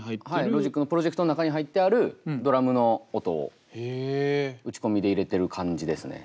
ロジックのプロジェクトの中に入ってあるドラムの音を打ち込みで入れてる感じですね。